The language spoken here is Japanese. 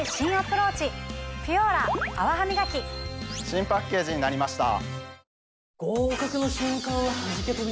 新パッケージになりました。